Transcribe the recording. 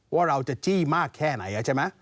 ว่าเราจะจี้มากแค่ไหน